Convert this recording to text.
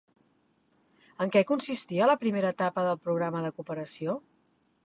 En què consistia la primera etapa del programa de cooperació?